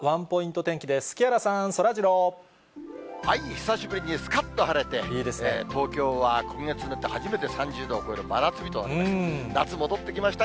久しぶりにすかっと晴れて、東京は今月になって初めて３０度を超える真夏日となりました。